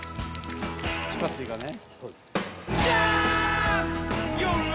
地下水がね。